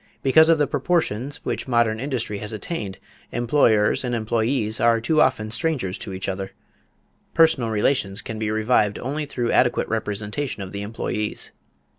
Because of the proportions which modern industry has attained, employers and employees are too often strangers to each other.... Personal relations can be revived only through adequate representation of the employees.